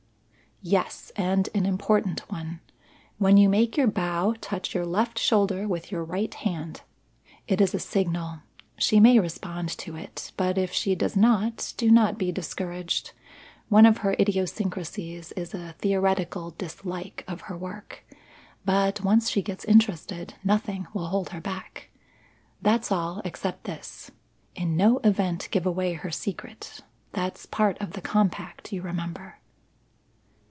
"Yes, and an important one. When you make your bow, touch your left shoulder with your right hand. It is a signal. She may respond to it; but if she does not, do not be discouraged. One of her idiosyncrasies is a theoretical dislike of her work. But once she gets interested, nothing will hold her back. That's all, except this. In no event give away her secret. That's part of the compact, you remember."